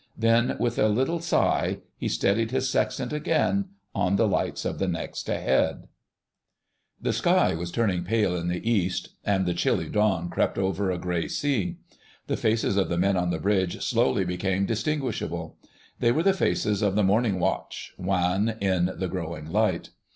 Then, with a little sigh, he steadied his sextant again on the lights of the next ahead. The sky was turning pale in the East, and the chilly dawn crept over a grey sea. The faces of the men on the bridge slowly became distinguishable. They were the faces of the Morning Watch, wan in the growing light.